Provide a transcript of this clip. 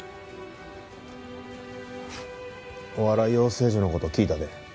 お笑い養成所の事聞いたで。